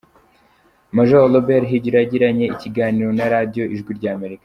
Major Robert Higiro yagiranye ikiganiro na Radio Ijwi ry’Amerika.